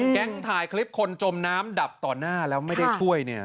ถ่ายคลิปคนจมน้ำดับต่อหน้าแล้วไม่ได้ช่วยเนี่ย